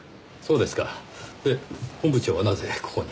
で本部長はなぜここに？